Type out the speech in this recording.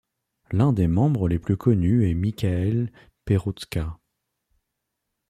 L'un des membres les plus connus est Michael Peroutka.